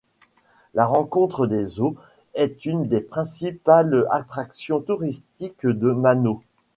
La rencontre des Eaux est une des principales attractions touristiques de Manaus.